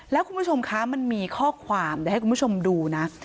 แล้วคุณผู้ชมคะมันมีข้อความเดี๋ยวให้คุณผู้ชมดูนะ